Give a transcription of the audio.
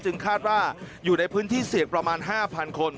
คาดว่าอยู่ในพื้นที่เสี่ยงประมาณ๕๐๐คน